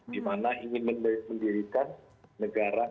di mana ingin mendirikan negara